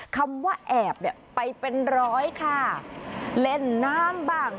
คำว่าแอบเนี่ยไปเป็นร้อยค่ะเล่นน้ำบ้าง